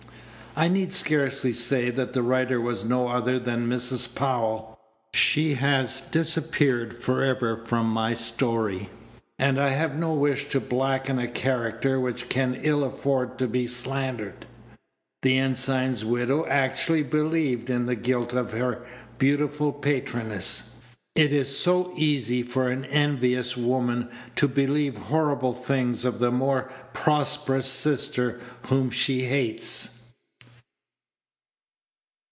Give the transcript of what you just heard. I need scarcely say that the writer was no other than Mrs. Powell. She has disappeared for ever from my story, and I have no wish to blacken a character which can ill afford to be slandered. The ensign's widow actually believed in the guilt of her beautiful patroness. It is so easy for an envious woman to believe horrible things of the more prosperous sister whom she hates.